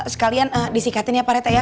sekalian disikatin ya parete ya